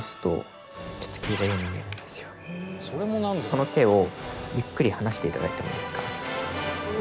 その手をゆっくり離して頂いてもいいですか。